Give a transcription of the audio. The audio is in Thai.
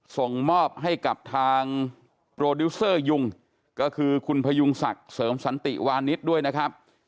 ส่งมอบให้กับทางโปรดิวเซอร์ยุงก็คือคุณพยุงศักดิ์เสริมสันติวานิสด้วยนะครับ